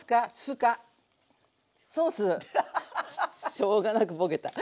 しょうがなくボケた。